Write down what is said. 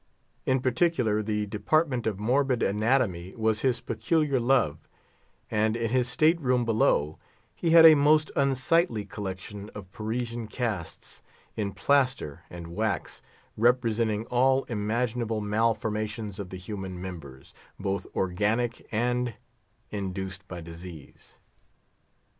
In particular, the department of Morbid Anatomy was his peculiar love; and in his state room below he had a most unsightly collection of Parisian casts, in plaster and wax, representing all imaginable malformations of the human members, both organic and induced by disease.